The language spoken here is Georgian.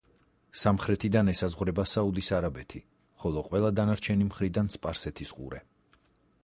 სამხრეთიდან ესაზღვრება საუდის არაბეთი, ხოლო ყველა დანარჩენი მხრიდან სპარსეთის ყურე.